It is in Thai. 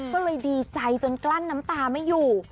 ก็เลยดีใจจนกลั้นน้ำตาไม่อยู่